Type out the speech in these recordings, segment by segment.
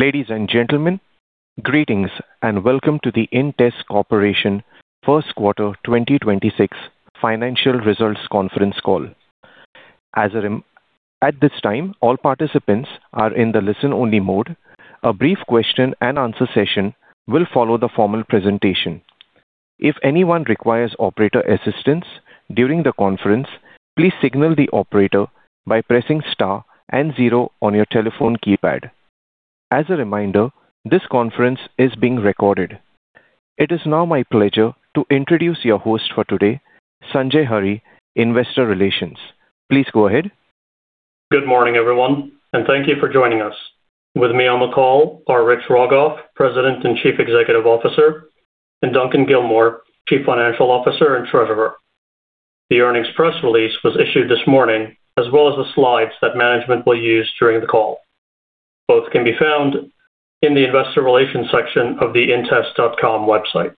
Ladies and gentlemen, greetings and welcome to the InTest Corporation first quarter 2026 financial results conference call. At this time, all participants are in the listen-only mode. A brief question and answer session will follow the formal presentation. If anyone requires operator assistance during the conference, please signal the operator by pressing star and zero on your telephone keypad. As a reminder, this conference is being recorded. It is now my pleasure to introduce your host for today, Sanjay Hurry, investor relations. Please go ahead. Good morning, everyone, and thank you for joining us. With me on the call are Rich Rogoff, President and Chief Executive Officer, and Duncan Gilmour, Chief Financial Officer and Treasurer. The earnings press release was issued this morning, as well as the slides that management will use during the call. Both can be found in the Investor Relations section of the intest.com website.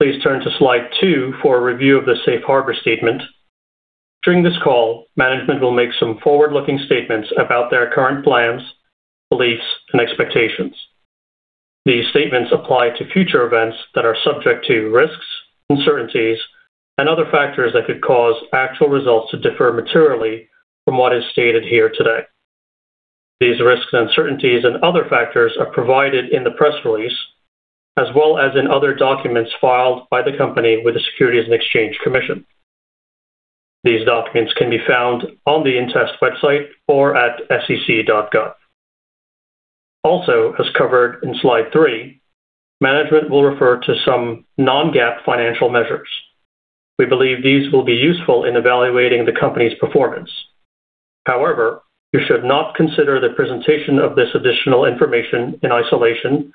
Please turn to slide two for a review of the safe harbor statement. During this call, management will make some forward-looking statements about their current plans, beliefs, and expectations. These statements apply to future events that are subject to risks, uncertainties, and other factors that could cause actual results to differ materially from what is stated here today. These risks and uncertainties and other factors are provided in the press release as well as in other documents filed by the company with the Securities and Exchange Commission. These documents can be found on the InTest website or at sec.gov. Also, as covered in slide three, management will refer to some non-GAAP financial measures. We believe these will be useful in evaluating the company's performance. However, you should not consider the presentation of this additional information in isolation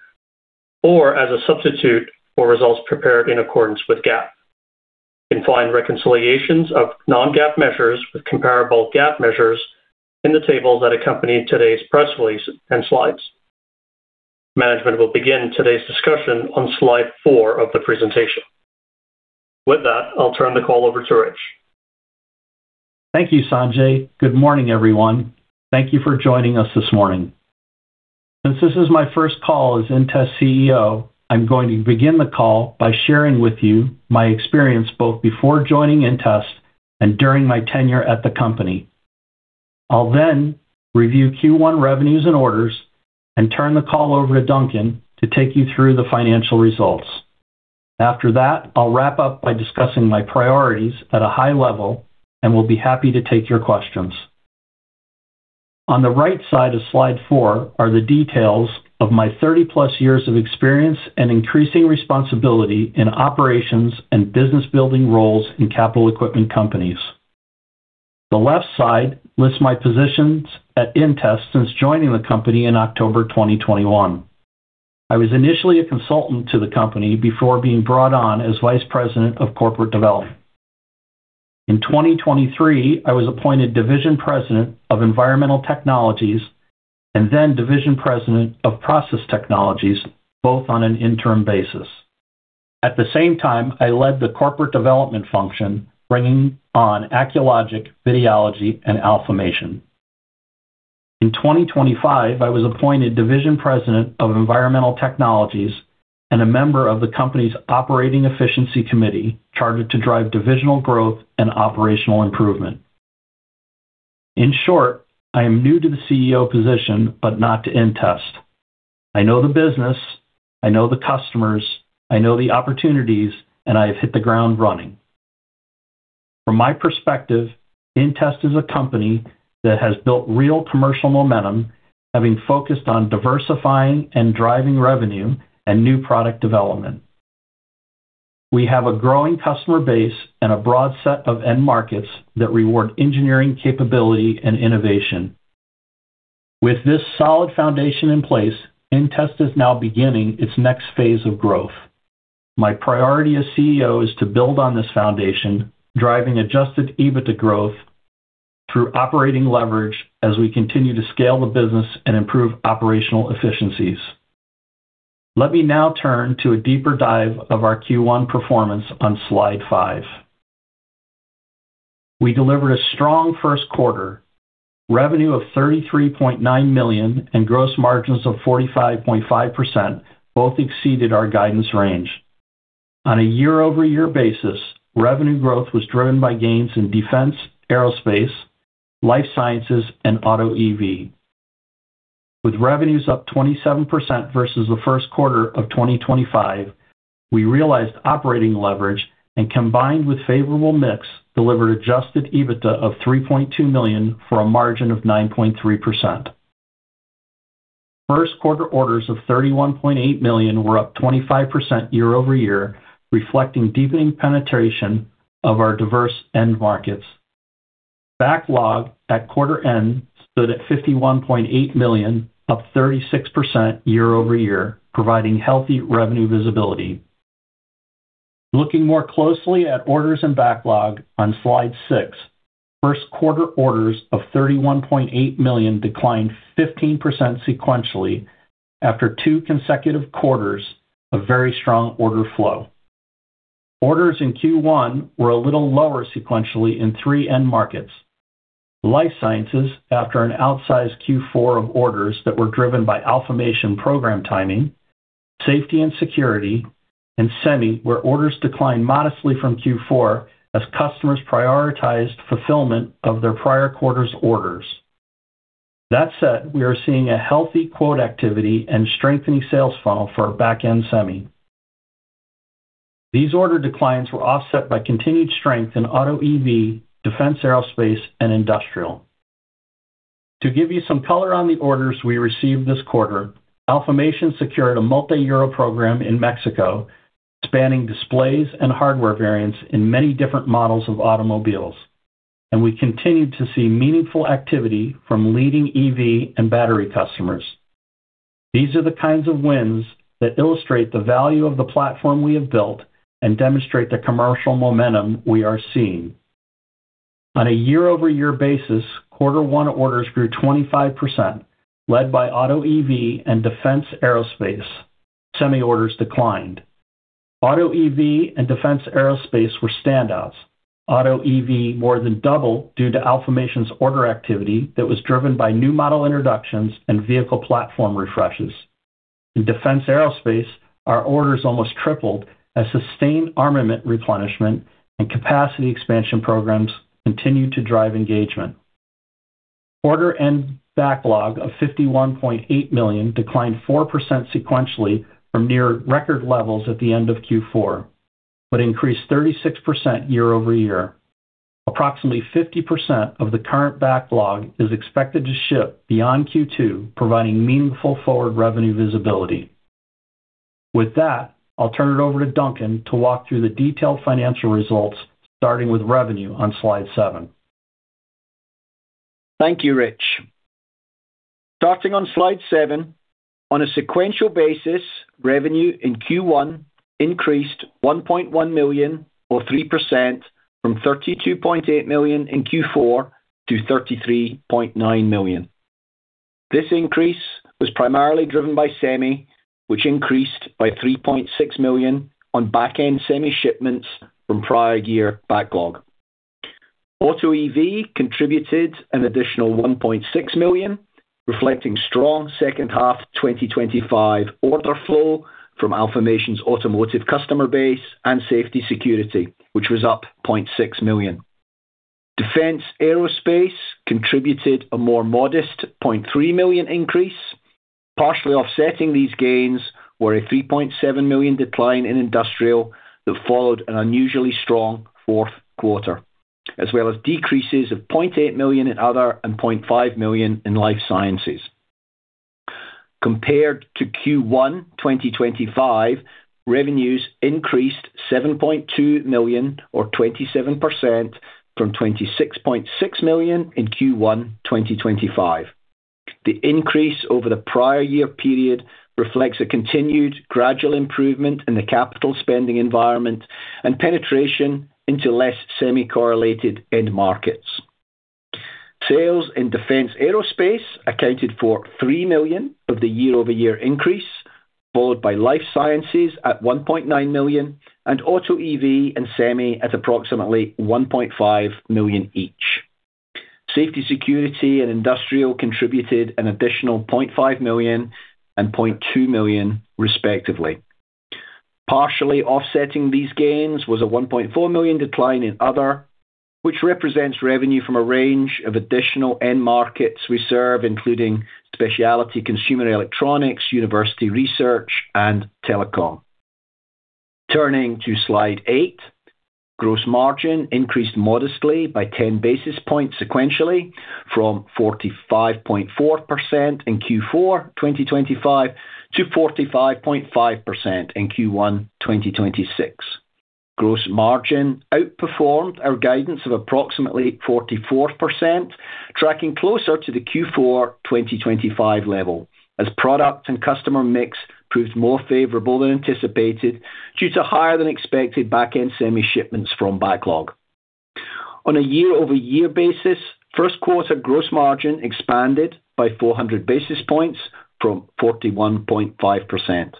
or as a substitute for results prepared in accordance with GAAP. You can find reconciliations of non-GAAP measures with comparable GAAP measures in the tables that accompany today's press release and slides. Management will begin today's discussion on slide four of the presentation. With that, I'll turn the call over to Rich. Thank you, Sanjay. Good morning, everyone. Thank you for joining us this morning. Since this is my first call as InTest CEO, I'm going to begin the call by sharing with you my experience both before joining InTest and during my tenure at the company. I'll then review Q1 revenues and orders and turn the call over to Duncan to take you through the financial results. After that, I'll wrap up by discussing my priorities at a high level and will be happy to take your questions. On the right side of slide four are the details of my 30+ years of experience and increasing responsibility in operations and business-building roles in capital equipment companies. The left side lists my positions at InTest since joining the company in October 2021. I was initially a consultant to the company before being brought on as Vice President of Corporate Development. In 2023, I was appointed Division President of Environmental Technologies and then Division President of Process Technologies, both on an interim basis. At the same time, I led the corporate development function, bringing on Acculogic, Videology, and Alfamation. In 2025, I was appointed Division President of Environmental Technologies and a member of the company's Operating Efficiency Committee, chartered to drive divisional growth and operational improvement. In short, I am new to the CEO position, but not to InTest. I know the business, I know the customers, I know the opportunities, and I have hit the ground running. From my perspective, InTest is a company that has built real commercial momentum, having focused on diversifying and driving revenue and new product development. We have a growing customer base and a broad set of end markets that reward engineering capability and innovation. With this solid foundation in place, InTest is now beginning its next phase of growth. My priority as CEO is to build on this foundation, driving adjusted EBITDA growth through operating leverage as we continue to scale the business and improve operational efficiencies. Let me now turn to a deeper dive of our Q1 performance on slide five. We delivered a strong first quarter. Revenue of $33.9 million and gross margins of 45.5% both exceeded our guidance range. On a year-over-year basis, revenue growth was driven by gains in defense, aerospace, life sciences, and auto EV. With revenues up 27% versus the first quarter of 2025, we realized operating leverage, and combined with favorable mix, delivered adjusted EBITDA of $3.2 million for a margin of 9.3%. First quarter orders of $31.8 million were up 25% year-over-year, reflecting deepening penetration of our diverse end markets. Backlog at quarter end stood at $51.8 million, up 36% year-over-year, providing healthy revenue visibility. Looking more closely at orders and backlog on slide six, first quarter orders of $31.8 million declined 15% sequentially after two consecutive quarters of very strong order flow. Orders in Q1 were a little lower sequentially in three end markets. Life sciences after an outsized Q4 of orders that were driven by Alfamation program timing, safety and security, and semi, where orders declined modestly from Q4 as customers prioritized fulfillment of their prior quarter's orders. That said, we are seeing a healthy quote activity and strengthening sales funnel for our back-end semi. These order declines were offset by continued strength in auto EV, defense aerospace, and industrial. To give you some color on the orders we received this quarter, Alfamation secured a multi-year program in Mexico spanning displays and hardware variants in many different models of automobiles, and we continued to see meaningful activity from leading EV and battery customers. These are the kinds of wins that illustrate the value of the platform we have built and demonstrate the commercial momentum we are seeing. On a year-over-year basis, quarter one orders grew 25%, led by auto EV and defense aerospace. Semi orders declined. Auto EV and defense aerospace were standouts. Auto EV more than doubled due to Alfamation's order activity that was driven by new model introductions and vehicle platform refreshes. In defense aerospace, our orders almost tripled as sustained armament replenishment and capacity expansion programs continued to drive engagement. Order and backlog of $51.8 million declined 4% sequentially from near record levels at the end of Q4, but increased 36% year-over-year. Approximately 50% of the current backlog is expected to ship beyond Q2, providing meaningful forward revenue visibility. With that, I'll turn it over to Duncan to walk through the detailed financial results, starting with revenue on slide seven. Thank you, Rich. Starting on slide seven, on a sequential basis, revenue in Q1 increased $1.1 million or 3% from $32.8 million in Q4 to $33.9 million. This increase was primarily driven by semi, which increased by $3.6 million on back-end semi shipments from prior year backlog. Auto EV contributed an additional $1.6 million, reflecting strong second half 2025 order flow from Alfamation's automotive customer base and safety security, which was up $0.6 million. Defense aerospace contributed a more modest $0.3 million increase. Partially offsetting these gains were a $3.7 million decline in industrial that followed an unusually strong fourth quarter, as well as decreases of $0.8 million in other and $0.5 million in life sciences. Compared to Q1 2025, revenues increased $7.2 million or 27% from $26.6 million in Q1 2025. The increase over the prior year period reflects a continued gradual improvement in the capital spending environment and penetration into less semi-correlated end markets. Sales in defense aerospace accounted for $3 million of the year-over-year increase, followed by life sciences at $1.9 million, and auto EV and semi at approximately $1.5 million each. Safety, security, and industrial contributed an additional $0.5 million and $0.2 million, respectively. Partially offsetting these gains was a $1.4 million decline in other, which represents revenue from a range of additional end markets we serve, including specialty consumer electronics, university research, and telecom. Turning to slide eight, gross margin increased modestly by 10 basis points sequentially from 45.4% in Q4 2025 to 45.5% in Q1 2026. Gross margin outperformed our guidance of approximately 44%, tracking closer to the Q4 2025 level as product and customer mix proved more favorable than anticipated due to higher than expected back-end semi shipments from backlog. On a year-over-year basis, first quarter gross margin expanded by 400 basis points from 41.5%.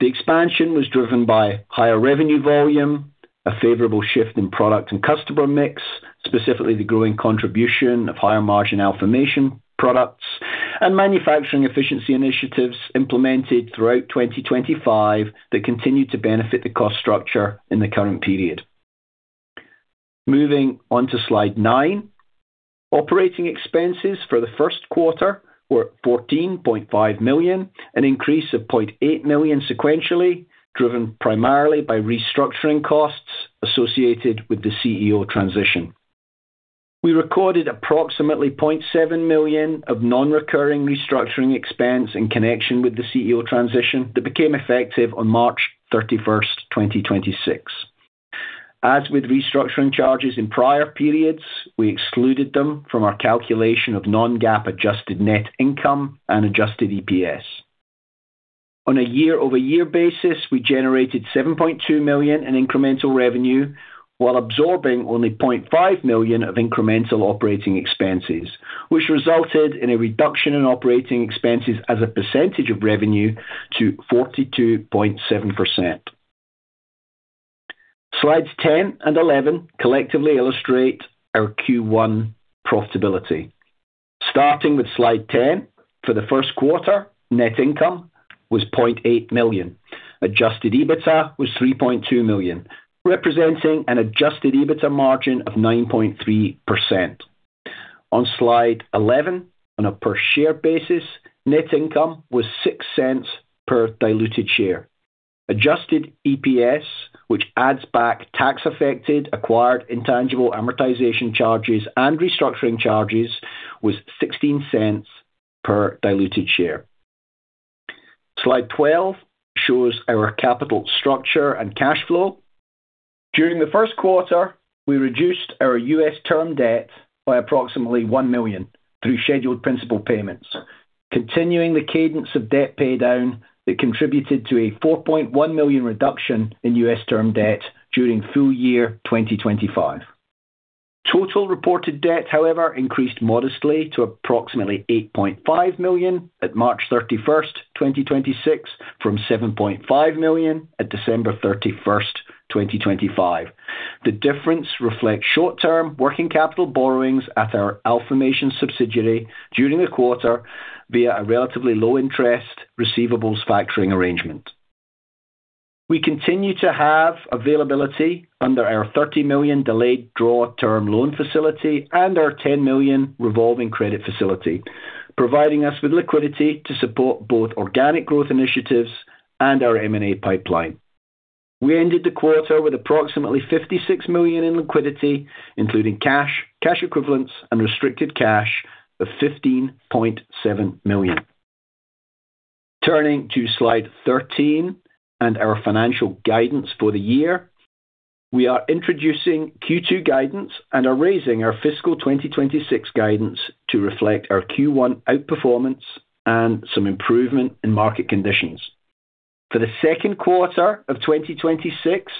The expansion was driven by higher revenue volume, a favorable shift in product and customer mix, specifically the growing contribution of higher margin Alfamation products and manufacturing efficiency initiatives implemented throughout 2025 that continue to benefit the cost structure in the current period. Moving on to slide nine, operating expenses for the first quarter were $14.5 million, an increase of $0.8 million sequentially, driven primarily by restructuring costs associated with the CEO transition. We recorded approximately $0.7 million of non-recurring restructuring expense in connection with the CEO transition that became effective on March 31st, 2026. As with restructuring charges in prior periods, we excluded them from our calculation of non-GAAP adjusted net income and adjusted EPS. On a year-over-year basis, we generated $7.2 million in incremental revenue while absorbing only $0.5 million of incremental operating expenses, which resulted in a reduction in operating expenses as a percentage of revenue to 42.7%. Slides 10 and 11 collectively illustrate our Q1 profitability. Starting with slide 10, for the first quarter, net income was $0.8 million. Adjusted EBITDA was $3.2 million, representing an adjusted EBITDA margin of 9.3%. On slide 11, on a per-share basis, net income was $0.06 per diluted share. Adjusted EPS, which adds back tax affected acquired intangible amortization charges and restructuring charges, was $0.16 per diluted share. Slide 12 shows our capital structure and cash flow. During the first quarter, we reduced our U.S. term debt by approximately $1 million through scheduled principal payments, continuing the cadence of debt paydown that contributed to a $4.1 million reduction in U.S. term debt during full year 2025. Total reported debt, however, increased modestly to approximately $8.5 million at March 31st, 2026, from $7.5 million at December 31st, 2025. The difference reflects short-term working capital borrowings at our Alfamation subsidiary during the quarter via a relatively low interest receivables factoring arrangement. We continue to have availability under our $30 million delayed draw term loan facility and our $10 million revolving credit facility, providing us with liquidity to support both organic growth initiatives and our M&A pipeline. We ended the quarter with approximately $56 million in liquidity, including cash equivalents, and restricted cash of $15.7 million. Turning to slide 13 and our financial guidance for the year. We are introducing Q2 guidance and are raising our fiscal 2026 guidance to reflect our Q1 outperformance and some improvement in market conditions. For the second quarter of 2026,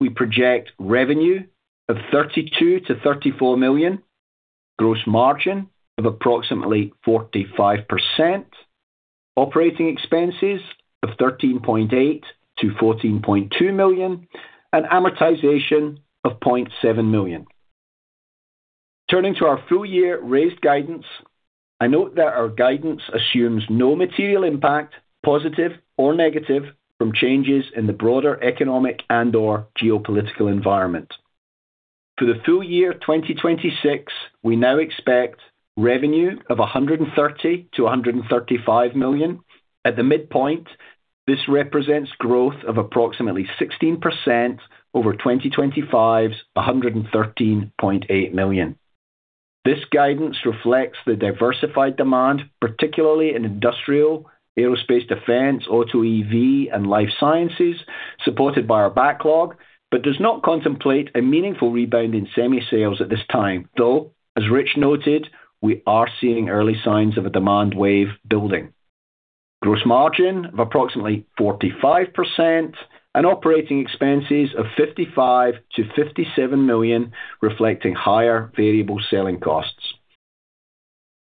we project revenue of $32 million-$34 million, gross margin of approximately 45%, operating expenses of $13.8 million-$14.2 million, and amortization of $0.7 million. Turning to our full-year raised guidance, I note that our guidance assumes no material impact, positive or negative, from changes in the broader economic and/or geopolitical environment. For the full year 2026, we now expect revenue of $130 million-$135 million. At the midpoint, this represents growth of approximately 16% over 2025's $113.8 million. This guidance reflects the diversified demand, particularly in industrial, aerospace defense, auto EV, and life sciences, supported by our backlog, but does not contemplate a meaningful rebound in semi sales at this time, though, as Rich noted, we are seeing early signs of a demand wave building. Gross margin of approximately 45% and operating expenses of $55 million-$57 million, reflecting higher variable selling costs.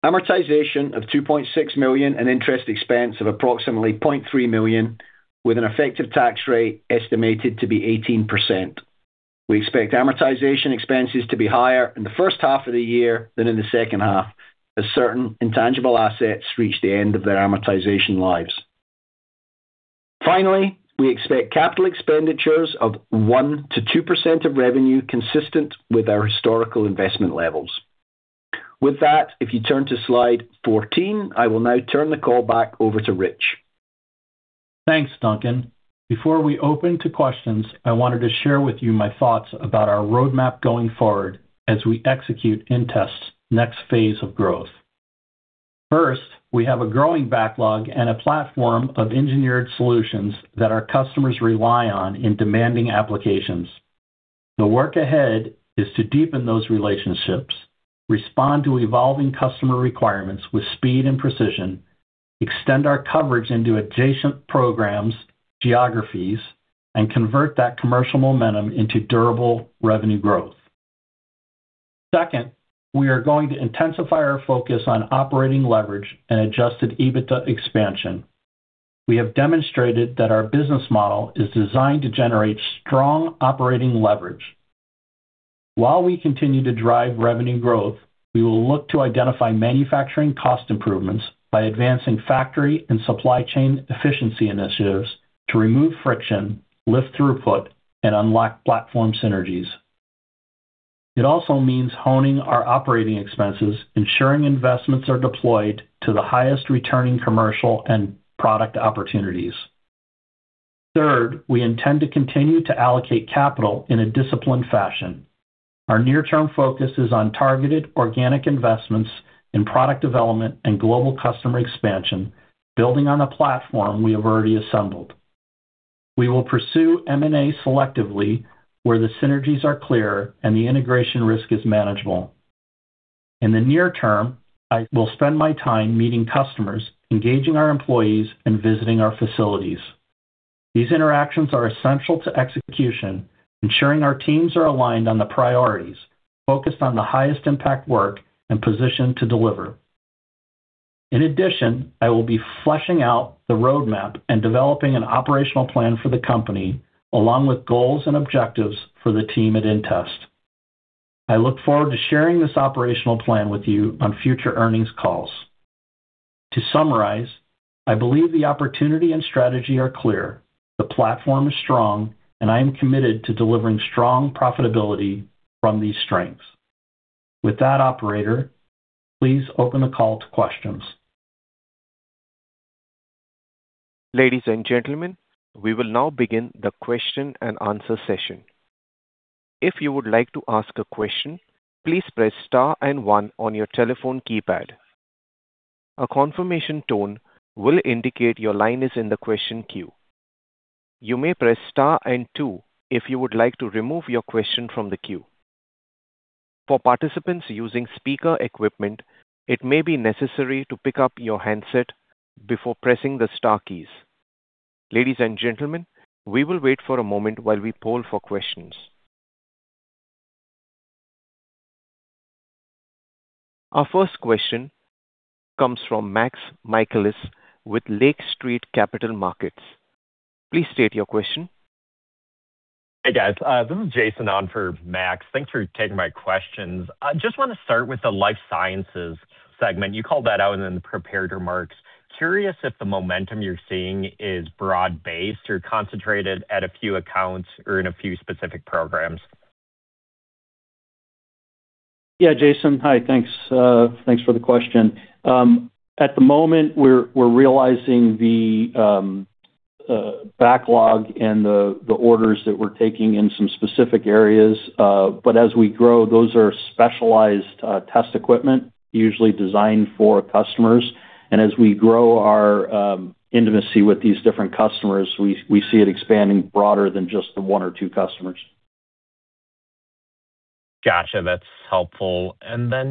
Amortization of $2.6 million and interest expense of approximately $0.3 million, with an effective tax rate estimated to be 18%. We expect amortization expenses to be higher in the first half of the year than in the second half, as certain intangible assets reach the end of their amortization lives. Finally, we expect capital expenditures of 1%-2% of revenue consistent with our historical investment levels. With that, if you turn to slide 14, I will now turn the call back over to Rich. Thanks, Duncan. Before we open to questions, I wanted to share with you my thoughts about our roadmap going forward as we execute InTest next phase of growth. First, we have a growing backlog and a platform of engineered solutions that our customers rely on in demanding applications. The work ahead is to deepen those relationships, respond to evolving customer requirements with speed and precision, extend our coverage into adjacent programs, geographies, and convert that commercial momentum into durable revenue growth. Second, we are going to intensify our focus on operating leverage and adjusted EBITDA expansion. We have demonstrated that our business model is designed to generate strong operating leverage. While we continue to drive revenue growth, we will look to identify manufacturing cost improvements by advancing factory and supply chain efficiency initiatives to remove friction, lift throughput, and unlock platform synergies. It also means honing our operating expenses, ensuring investments are deployed to the highest returning commercial and product opportunities. Third, we intend to continue to allocate capital in a disciplined fashion. Our near-term focus is on targeted organic investments in product development and global customer expansion, building on a platform we have already assembled. We will pursue M&A selectively where the synergies are clear and the integration risk is manageable. In the near term, I will spend my time meeting customers, engaging our employees, and visiting our facilities. These interactions are essential to execution, ensuring our teams are aligned on the priorities, focused on the highest impact work, and positioned to deliver. In addition, I will be fleshing out the roadmap and developing an operational plan for the company, along with goals and objectives for the team at InTest. I look forward to sharing this operational plan with you on future earnings calls. To summarize, I believe the opportunity and strategy are clear, the platform is strong, and I am committed to delivering strong profitability from these strengths. With that, operator, please open the call to questions. Ladies and gentlemen, we will now begin the question and answer session. If you would like to ask a question, please press star and one on your telephone keypad. A confirmation tone will indicate your line is in the question queue. You may press star and two if you would like to remove your question from the queue. For participants using speaker equipment, it may be necessary to pick up your handset before pressing the star keys. Ladies and gentlemen, we will wait for a moment while we poll for questions. Our first question comes from Max Michaelis with Lake Street Capital Markets. Please state your question. Hey, guys. This is Jaeson on for Max. Thanks for taking my questions. I just wanna start with the life sciences segment. You called that out in the prepared remarks. Curious if the momentum you're seeing is broad-based or concentrated at a few accounts or in a few specific programs. Yeah, Jaeson. Hi. Thanks for the question. At the moment, we're realizing the backlog and the orders that we're taking in some specific areas. As we grow, those are specialized test equipment usually designed for customers. As we grow our intimacy with these different customers, we see it expanding broader than just the one or two customers. Gotcha. That's helpful.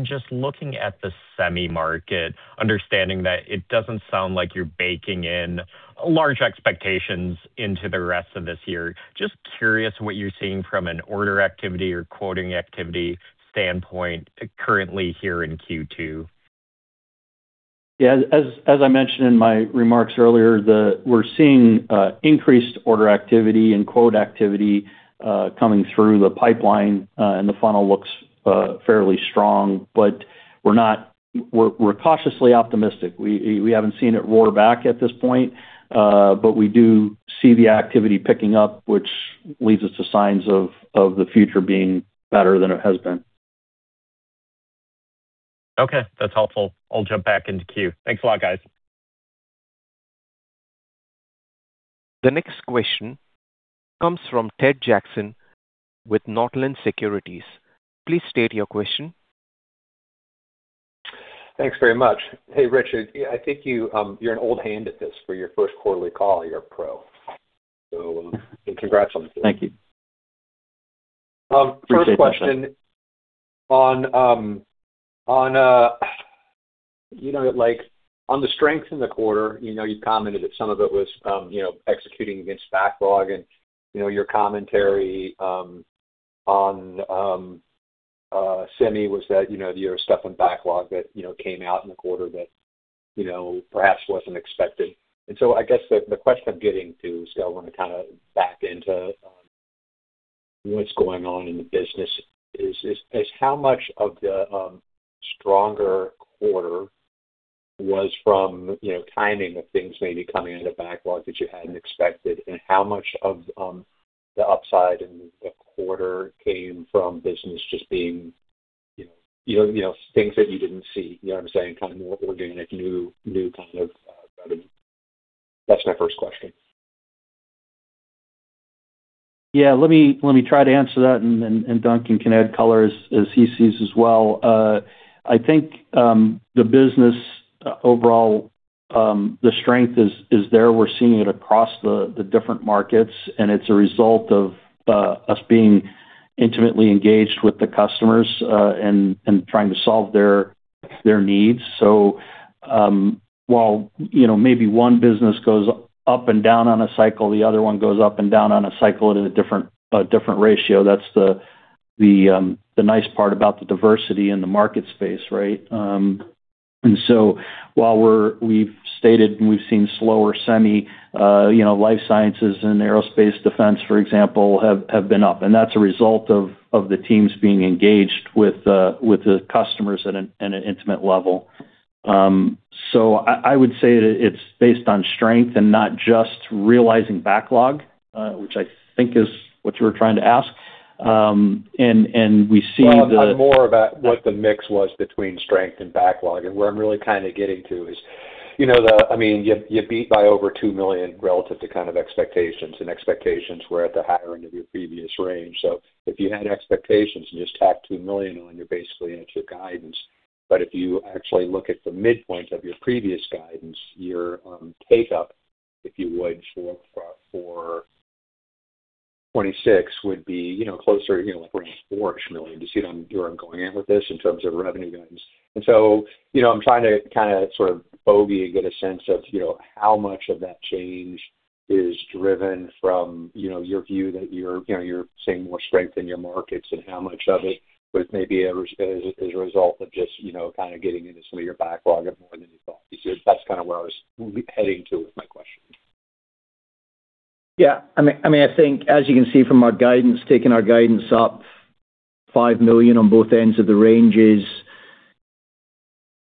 Just looking at the semi market, understanding that it doesn't sound like you're baking in large expectations into the rest of this year. Just curious what you're seeing from an order activity or quoting activity standpoint currently here in Q2? Yeah. As I mentioned in my remarks earlier, we're seeing increased order activity and quote activity coming through the pipeline, and the funnel looks fairly strong, but we're cautiously optimistic. We haven't seen it roar back at this point, but we do see the activity picking up, which leads us to signs of the future being better than it has been. Okay, that's helpful. I'll jump back into queue. Thanks a lot, guys. The next question comes from Ted Jackson with Northland Securities. Please state your question. Thanks very much. Hey, Richard. I think you're an old hand at this. For your first quarterly call, you're a pro. Congrats on that. Thank you. First question on, you know, like on the strength in the quarter, you know, you commented that some of it was, you know, executing against backlog and, you know, your commentary on semi was that, you know, you have stuff in backlog that, you know, came out in the quarter that, you know, perhaps wasn't expected. I guess the question I'm getting to, so I wanna kinda back into what's going on in the business is how much of the stronger quarter was from, you know, timing of things maybe coming into backlog that you hadn't expected? How much of the upside in the quarter came from business just being, you know, things that you didn't see? You know what I'm saying? Kind of more organic, new kind of revenue. That's my first question. Let me try to answer that and Duncan can add color as he sees as well. I think the business overall, the strength is there. We're seeing it across the different markets, and it's a result of us being intimately engaged with the customers and trying to solve their needs. While, you know, maybe one business goes up and down on a cycle, the other one goes up and down on a cycle at a different ratio. That's the nice part about the diversity in the market space, right? While we've stated we've seen slower semi, you know, life sciences and aerospace defense, for example, have been up, and that's a result of the teams being engaged with the customers at an intimate level. I would say it's based on strength and not just realizing backlog, which I think is what you were trying to ask. We see the. I'm more about what the mix was between strength and backlog. Where I'm really kinda getting to is, you know, the I mean, you beat by over $2 million relative to kind of expectations, and expectations were at the higher end of your previous range. If you had expectations and just tack $2 million on, you're basically at your guidance. If you actually look at the midpoint of your previous guidance, your take-up, if you would, for 2026 would be, you know, closer to, you know, like around $4 million. Do you see where I'm going with this in terms of revenue guidance? You know, I'm trying to kinda sort of bogey and get a sense of, you know, how much of that change is driven from, you know, your view that you're, you know, you're seeing more strength in your markets, and how much of it was maybe as a result of just, you know, kind of getting into some of your backlog more than you thought? That's kind of where I was heading to with my question. Yeah. I mean, I think as you can see from our guidance, taking our guidance up $5 million on both ends of the ranges,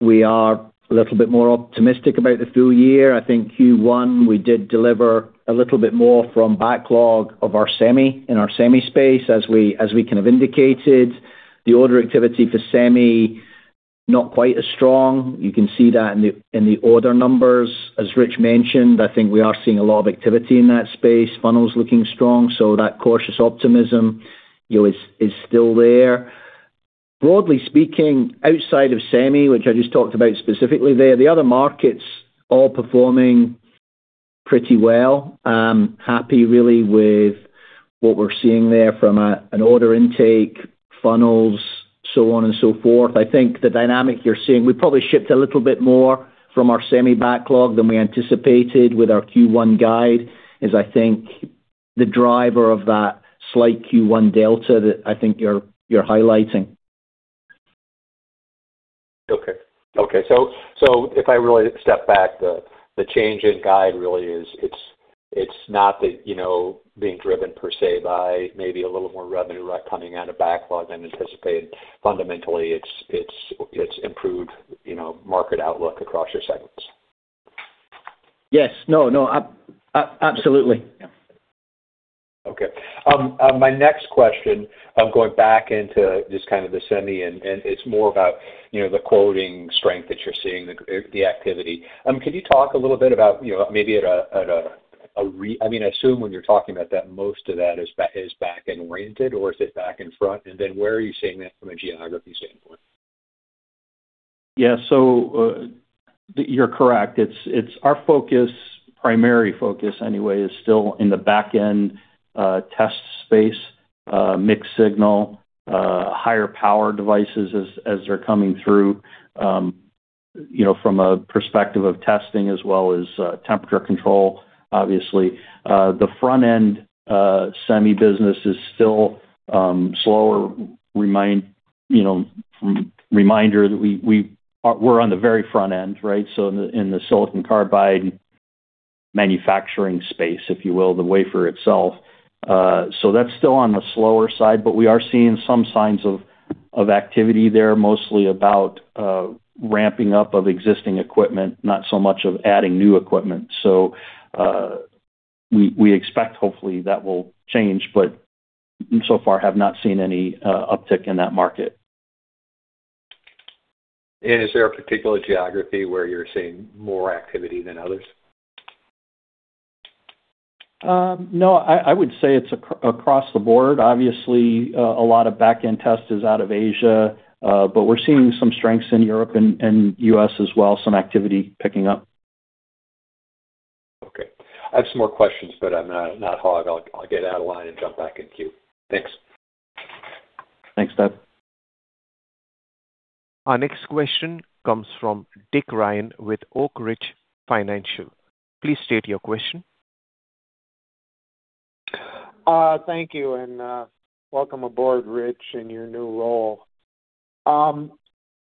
we are a little bit more optimistic about the full year. I think Q1 we did deliver a little bit more from backlog of our semi, in our semi space, as we kind of indicated. The order activity for semi, not quite as strong. You can see that in the order numbers. As Rich mentioned, I think we are seeing a lot of activity in that space. Funnel's looking strong, that cautious optimism, you know, is still there. Broadly speaking, outside of semi, which I just talked about specifically there, the other markets all performing pretty well. Happy really with what we're seeing there from an order intake, funnels, so on and so forth. I think the dynamic you're seeing, we probably shipped a little bit more from our semi backlog than we anticipated with our Q1 guide, is I think the driver of that slight Q1 delta that I think you're highlighting. Okay. Okay. If I really step back, the change in guide really is it's not that, you know, being driven per se by maybe a little more revenue coming out of backlog than anticipated. Fundamentally it's, it's improved, you know, market outlook across your segments. Yes. No, absolutely. Yeah. Okay. My next question, I'm going back into just kind of the semi, and it's more about, you know, the quoting strength that you're seeing, the activity. Could you talk a little bit about, you know, maybe at a, I mean, I assume when you're talking about that, most of that is backend oriented, or is it back and front? Where are you seeing that from a geography standpoint? You're correct. It's our focus, primary focus anyway, is still in the back-end test space, mixed signal, higher power devices as they're coming through, you know, from a perspective of testing as well as temperature control, obviously. The front end semi business is still slower, you know, reminder that we're on the very front end, right? In the silicon carbide manufacturing space, if you will, the wafer itself. That's still on the slower side, but we are seeing some signs of activity there, mostly about ramping up of existing equipment, not so much of adding new equipment. We expect hopefully that will change, but so far have not seen any uptick in that market. Is there a particular geography where you're seeing more activity than others? No, I would say it's across the board. Obviously, a lot of back-end semi is out of Asia, but we're seeing some strengths in Europe and U.S. as well, some activity picking up. Okay. I have some more questions, but I'm not hog. I'll get out of line and jump back in queue. Thanks. Thanks, Ted. Our next question comes from Rich Ryan with Oak Ridge Financial. Please state your question. Thank you, and welcome aboard, Rich, in your new role.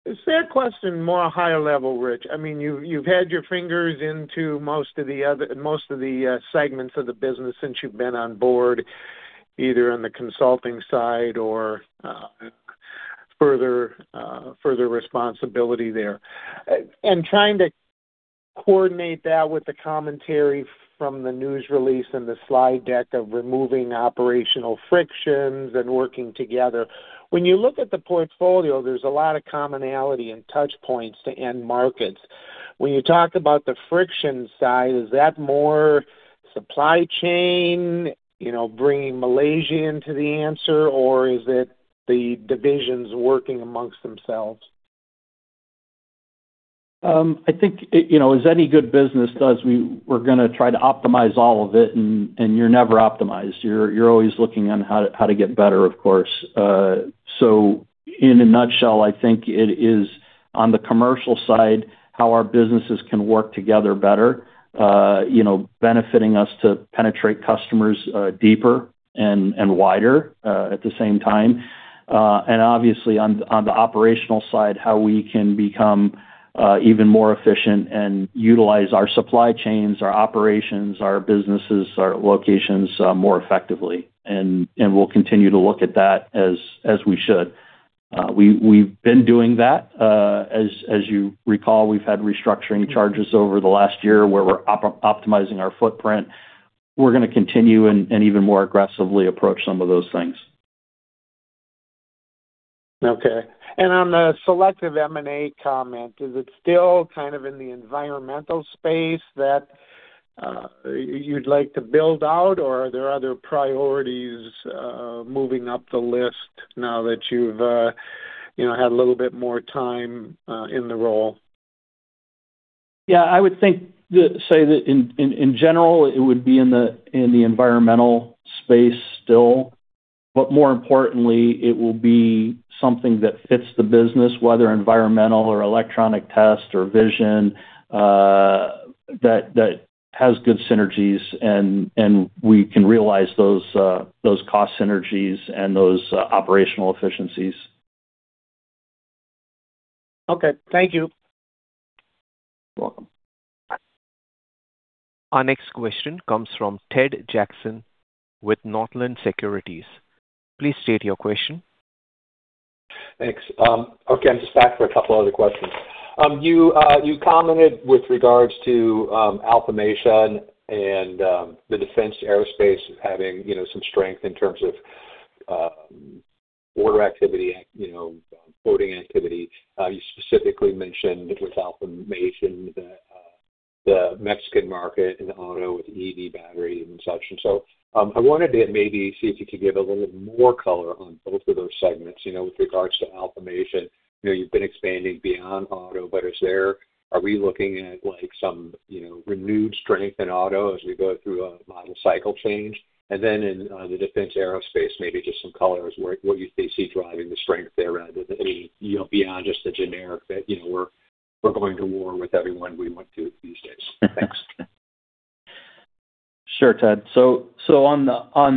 Is there a question more higher level, Rich? I mean, you've had your fingers into most of the segments of the business since you've been on board, either on the consulting side or further responsibility there. Trying to coordinate that with the commentary from the news release and the slide deck of removing operational frictions and working together. When you look at the portfolio, there's a lot of commonality and touch points to end markets. When you talk about the friction side, is that more supply chain, you know, bringing Malaysia into the answer, or is it the divisions working amongst themselves? I think, it, you know, as any good business does, we're gonna try to optimize all of it, and you're never optimized. You're always looking on how to get better, of course. So in a nutshell, I think it is on the commercial side, how our businesses can work together better, you know, benefiting us to penetrate customers deeper and wider at the same time. And obviously on the operational side, how we can become even more efficient and utilize our supply chains, our operations, our businesses, our locations more effectively. And we'll continue to look at that as we should. We've been doing that. As you recall, we've had restructuring charges over the last year where we're optimizing our footprint. We're going to continue and even more aggressively approach some of those things. Okay. On the selective M&A comment, is it still kind of in the environmental space that you'd like to build out, or are there other priorities moving up the list now that you've, you know, had a little bit more time in the role? Yeah. I would think say that in general, it would be in the environmental space still. More importantly, it will be something that fits the business, whether environmental or electronic test or vision, that has good synergies and we can realize those cost synergies and those operational efficiencies. Okay. Thank you. You're welcome. Our next question comes from Ted Jackson with Northland Securities. Please state your question. Thanks. Okay, I'm just back for a couple other questions. You, you commented with regards to Alfamation and the defense aerospace having, you know, some strength in terms of order activity and, you know, quoting activity. You specifically mentioned it was Alfamation, the Mexican market and the auto EV battery and such. I wanted to maybe see if you could give a little bit more color on both of those segments. You know, with regards to Alfamation, you know, you've been expanding beyond auto, but are we looking at like some, you know, renewed strength in auto as we go through a model cycle change? In the defense aerospace, maybe just some color as what you see driving the strength there rather than any, you know, beyond just the generic that, you know, we're going to war with everyone we went to these days. Thanks. Sure, Ted. On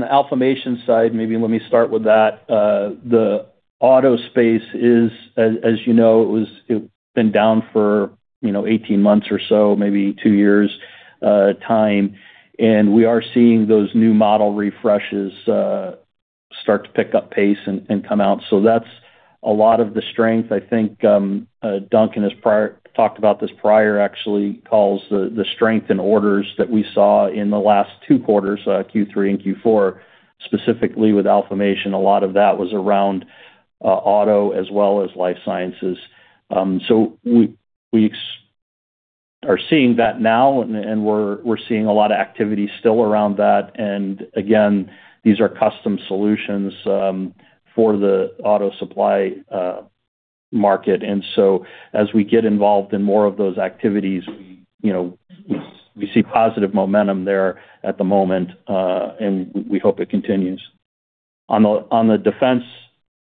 the Alfamation side, maybe let me start with that. The auto space is, as you know, it been down for, you know, 18 months or so, maybe two years, time. We are seeing those new model refreshes start to pick up pace and come out. That's a lot of the strength, I think, Duncan has talked about this prior actually, calls the strength in orders that we saw in the last two quarters, Q3 and Q4, specifically with Alfamation. A lot of that was around auto as well as life sciences. We are seeing that now, and we're seeing a lot of activity still around that. Again, these are custom solutions for the auto supply market. As we get involved in more of those activities, we, you know, we see positive momentum there at the moment, and we hope it continues. On the defense,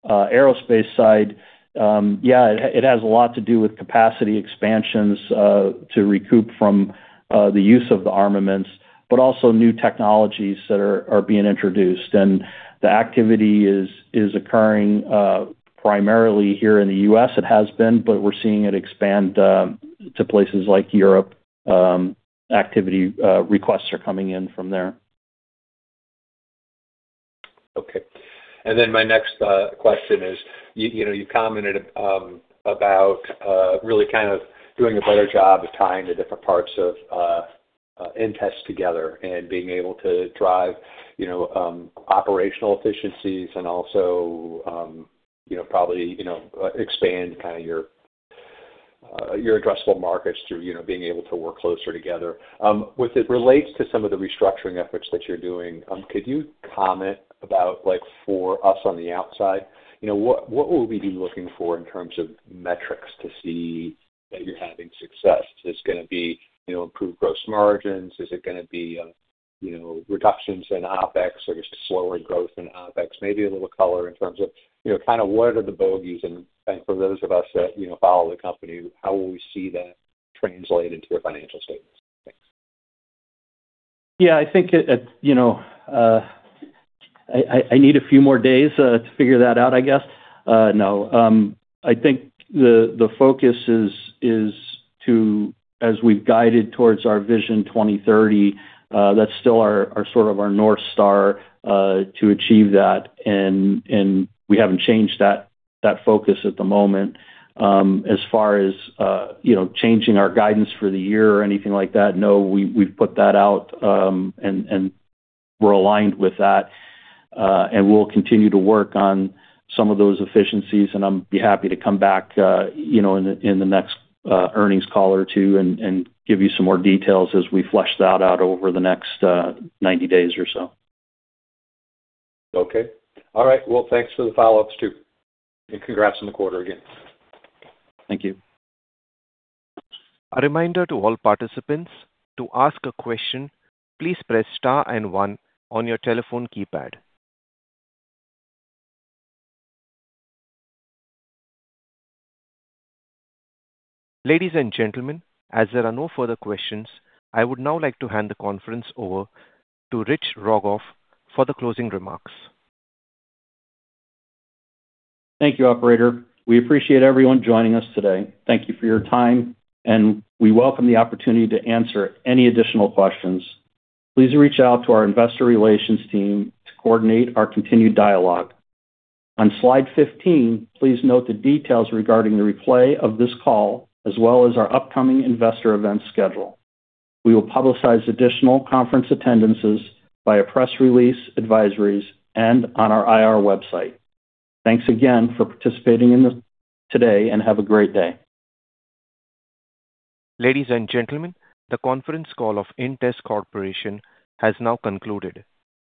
aerospace side, yeah, it has a lot to do with capacity expansions to recoup from the use of the armaments, but also new technologies that are being introduced. The activity is occurring primarily here in the U.S. It has been, but we're seeing it expand to places like Europe. Activity requests are coming in from there. Okay. My next question is, you know, you commented about really kind of doing a better job of tying the different parts of InTest together and being able to drive, you know, operational efficiencies and also, you know, probably, you know, expand kind of your addressable markets through, you know, being able to work closer together. With it relates to some of the restructuring efforts that you're doing, could you comment about like for us on the outside, you know, what will we be looking for in terms of metrics to see that you're having success? Is this gonna be, you know, improved gross margins? Is it gonna be, you know, reductions in OpEx or just slower growth in OpEx? Maybe a little color in terms of, you know, kind of what are the bogeys and for those of us that, you know, follow the company, how will we see that translate into the financial statements? Thanks. Yeah, I think it, you know, I need a few more days to figure that out, I guess. No. I think the focus is to, as we've guided towards our Vision 2030, that's still our sort of our North Star to achieve that. We haven't changed that focus at the moment. As far as, you know, changing our guidance for the year or anything like that, no, we've put that out, and we're aligned with that. We'll continue to work on some of those efficiencies, and I'd be happy to come back, you know, in the next 90 days or so. Okay. All right. Well, thanks for the follow-ups too, and congrats on the quarter again. Thank you. A reminder to all participants, to ask a question, please press star and one on your telephone keypad. Ladies and gentlemen, as there are no further questions, I would now like to hand the conference over to Rich Rogoff for the closing remarks. Thank you, operator. We appreciate everyone joining us today. Thank you for your time, and we welcome the opportunity to answer any additional questions. Please reach out to our investor relations team to coordinate our continued dialogue. On slide 15, please note the details regarding the replay of this call, as well as our upcoming investor events schedule. We will publicize additional conference attendances via press release, advisories, and on our IR website. Thanks again for participating in this today, and have a great day. Ladies and gentlemen, the conference call of InTest Corporation has now concluded.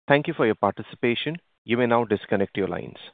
Thank you for your participation. You may now disconnect your lines.